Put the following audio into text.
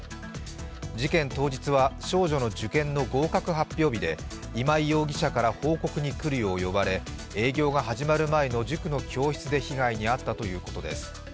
事件当日は少女の受験の合格発表日で今井容疑者から報告に来るよう呼ばれ、営業が始まる前の塾の教室で被害に遭ったということです。